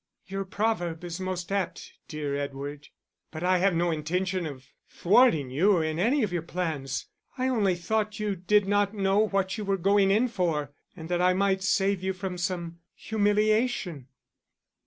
"Your proverb is most apt, dear Edward.... But I have no intention of thwarting you in any of your plans. I only thought you did not know what you were going in for, and that I might save you from some humiliation."